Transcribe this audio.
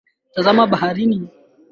Tazama baharini.